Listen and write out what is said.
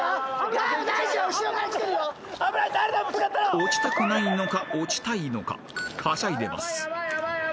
［落ちたくないのか落ちたいのかはしゃいでます］